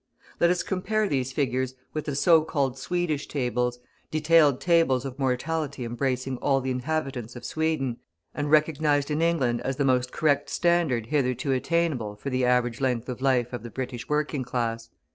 Let us compare these figures with the so called Swedish tables, detailed tables of mortality embracing all the inhabitants of Sweden, and recognised in England as the most correct standard hitherto attainable for the average length of life of the British working class.